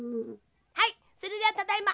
はいそれではただいま。